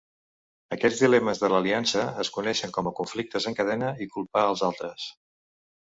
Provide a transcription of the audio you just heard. Aquests dilemes de l'aliança es coneixen com a conflictes en cadena i culpar els altres.